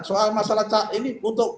soal masalah ini untuk